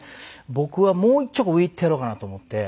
僕はもう一丁上いってやろうかなと思って。